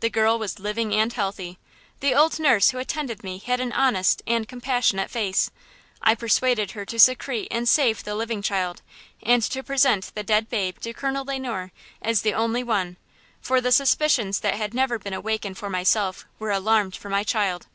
The girl was living and healthy. The old nurse who attended me had an honest and compassionate face; I persuaded her to secrete and save the living child, and to present the dead babe to Colonel Le Noir as the only one, for the suspicions that had never been awakened for myself were alarmed for my child.